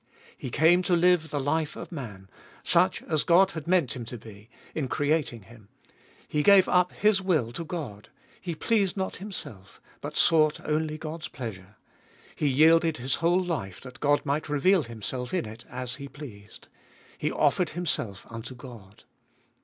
He came to live the life of man, such as God had meant Him to be, in creating Him. He gave up His will to God, He pleased not Himself but sought only God's pleasure, He yielded His whole life that God might reveal Himself in it as He pleased : He offered Himself unto God.